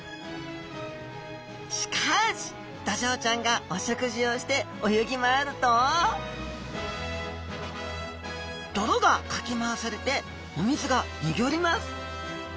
しかしドジョウちゃんがお食事をして泳ぎ回ると泥がかき回されてお水が濁ります。